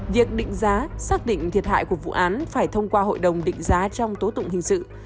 việc định giá xác định thiệt hại của vụ án phải thông qua hội đồng định giá trong tố tụng hình sự